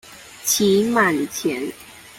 期滿前